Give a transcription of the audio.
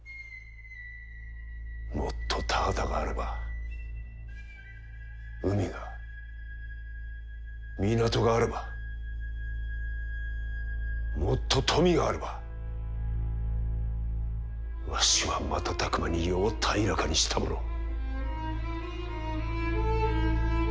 もっと田畑があれば海が港があればもっと富があればわしは瞬く間に世を平らかにしたものを。